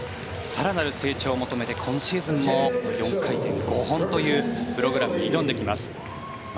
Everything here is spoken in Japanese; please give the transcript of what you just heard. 更なる成長を求めて今シーズンも４回転５本というプログラムに挑んできます。